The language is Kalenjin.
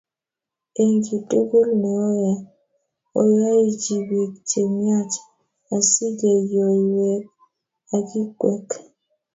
Eng kiy tukul neoyae, oyaichibiik chemiach asikeyoiwok akikwek